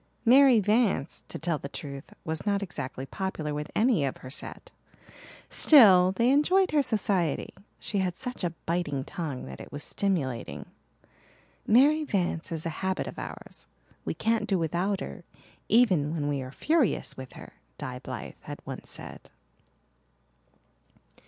Mary Vance, to tell the truth, was not exactly popular with any of her set. Still, they enjoyed her society she had such a biting tongue that it was stimulating. "Mary Vance is a habit of ours we can't do without her even when we are furious with her," Di Blythe had once said.